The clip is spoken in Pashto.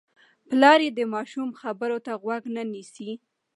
پلار یې د ماشوم خبرو ته غوږ نه نیسي.